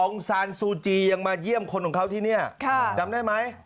ซานซูจียังมาเยี่ยมคนของเขาที่นี่จำได้ไหม